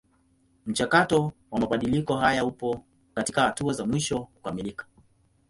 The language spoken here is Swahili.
Mchakato wa mabadiliko haya upo katika hatua za mwisho kukamilika.